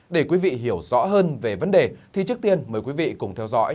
để quý vị hiểu rõ hơn về vấn đề thì trước tiên mời quý vị cùng theo dõi